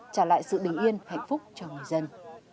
trả lại sự bình yên hạnh phúc cho người dân